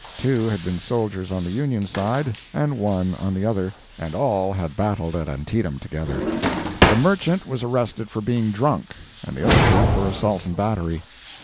Two had been soldiers on the Union side, and one on the other, and all had battled at Antietam together. The merchant was arrested for being drunk, and the other two for assault and battery.